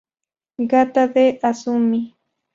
Gata de Azumi.